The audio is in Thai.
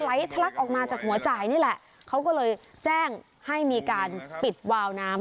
ทะลักออกมาจากหัวจ่ายนี่แหละเขาก็เลยแจ้งให้มีการปิดวาวน้ำ